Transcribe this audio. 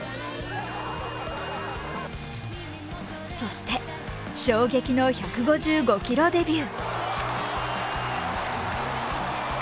そして衝撃の１５５キロデビュー。